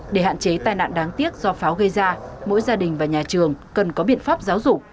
để hạn chế tai nạn đáng tiếc do pháo gây ra mỗi gia đình và nhà trường cần có biện pháp giáo dục